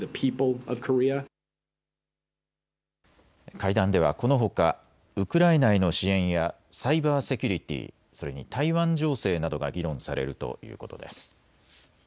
会談ではこのほかウクライナへの支援やサイバーセキュリティー、それに台湾情勢などが議論されるということです。